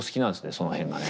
その辺がね。